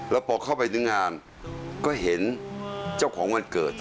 แล้วพอเข้าไปถึงงานก็เห็นเจ้าของวันเกิด